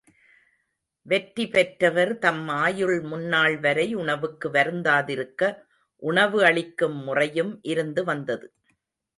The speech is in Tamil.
வெற்றி பெற்றவர் தம் ஆயுள் முன்நாள் வரை உணவுக்கு வருந்தாதிருக்க, உணவு அளிக்கும் முறையும் இருந்து வந்தது.